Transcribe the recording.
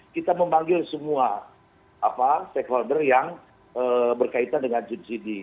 kita memanggil semua stakeholder yang berkaitan dengan subsidi